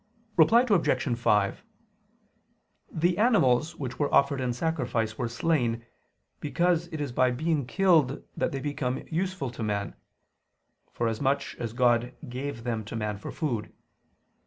Reply Obj. 5: The animals which were offered in sacrifice were slain, because it is by being killed that they become useful to man, forasmuch as God gave them to man for food.